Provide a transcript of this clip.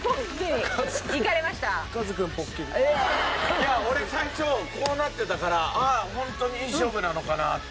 いや俺最初こうなってたからホントにいい勝負なのかなって。